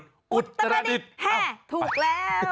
แห่ถูกแล้ว